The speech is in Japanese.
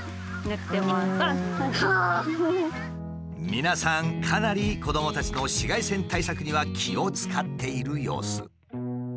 皆さんかなり子どもたちの紫外線対策には気を遣っている様子。